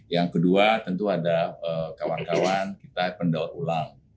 yang kedua tentu ada kawan kawan kita pendaur ulang